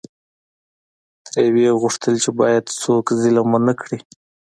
ترې وې غوښتل چې باید څوک ظلم ونکړي.